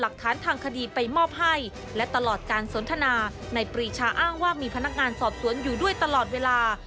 สอบสวนอยู่ด้วยตลอดเวลา